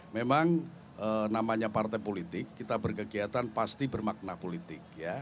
memang namanya partai politik kita berkegiatan pasti bermakna politik